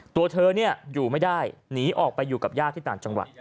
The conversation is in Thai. ตัวเธออยู่ไม่ได้หนีออกไปอยู่กับญาติที่ต่างจังหวัด